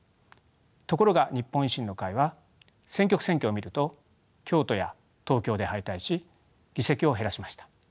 ところが日本維新の会は選挙区選挙を見ると京都や東京で敗退し議席を減らしました。